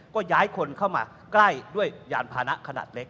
ก็ย้ายคนเข้ามาใกล้ด้วยยานพานะขนาดเล็ก